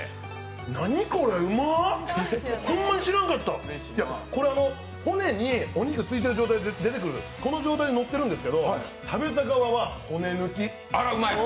ホンマに知らんかった、骨にお肉ついている状態で出てくる、この状態でのってるんですけど、食べた側は骨抜き。